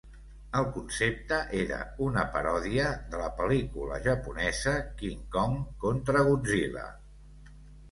El concepte era una paròdia de la pel·lícula japonesa, King Kong contra Godzilla.